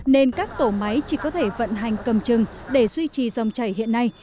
nên các tổ máy chỉ có thể vận hành cầm chừng để duy trì dòng chảy hiện nay